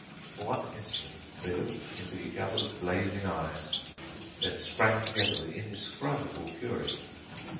For one instant they looked into each other's blazing eyes and then sprang together with indescribable fury.